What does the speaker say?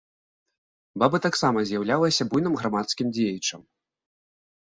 Баба таксама з'яўляўся буйным грамадскім дзеячам.